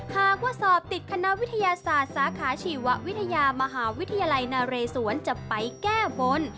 หากว่าสอบติดคณะวิทยาศาสตร์สาขาชีววิทยามหาวิทยาลัยนาเรศวรจะไปแก้บน